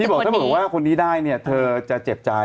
ที่บอกฉันว่าคนนี้ได้เธอจะเจ็บใจ